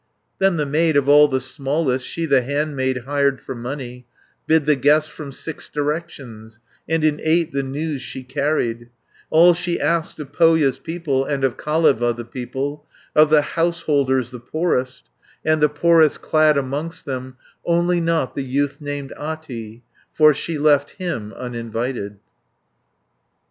Then the maid, of all the smallest, She the handmaid hired for money, Bid the guests from six directions, And in eight the news she carried; All she asked of Pohja's people, And of Kaleva the people, 610 Of the householders the poorest, And the poorest clad amongst them, Only not the youth named Ahti, For she left him uninvited.